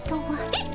えっ？